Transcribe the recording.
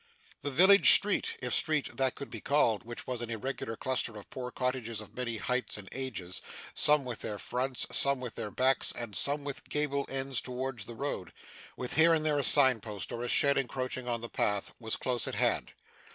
The village street if street that could be called which was an irregular cluster of poor cottages of many heights and ages, some with their fronts, some with their backs, and some with gable ends towards the road, with here and there a signpost, or a shed encroaching on the path was close at hand.